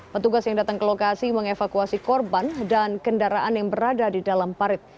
petugas yang datang ke lokasi mengevakuasi korban dan kendaraan yang berada di dalam parit